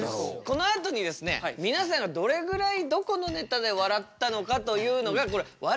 このあとにみなさんがどれぐらいどこのネタで笑ったのかというのが笑